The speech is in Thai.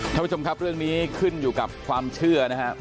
ท่านผู้ชมครับเรื่องนี้ขึ้นอยู่กับความเชื่อนะครับ